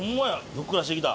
ふっくらしてきた。